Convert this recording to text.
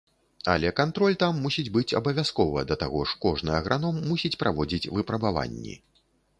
Але кантроль там мусіць быць абавязкова, да таго ж, кожны аграном мусіць праводзіць выпрабаванні.